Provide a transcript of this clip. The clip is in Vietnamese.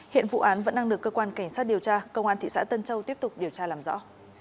hiện vụ án vẫn đang được cơ quan cảnh sát điều tra công an thị xã tân châu tiếp tục điều tra làm rõ